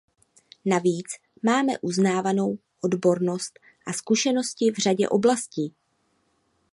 Navíc máme uznávanou odbornost a zkušenosti v řadě oblastí.